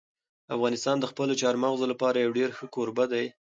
افغانستان د خپلو چار مغز لپاره یو ډېر ښه کوربه دی.